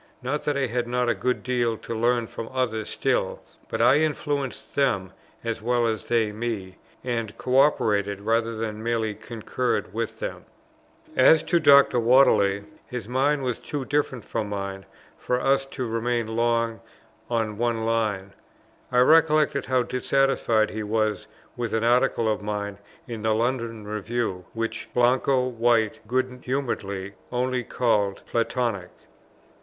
Not that I had not a good deal to learn from others still, but I influenced them as well as they me, and co operated rather than merely concurred with them. As to Dr. Whately, his mind was too different from mine for us to remain long on one line. I recollect how dissatisfied he was with an Article of mine in the London Review, which Blanco White, good humouredly, only called Platonic.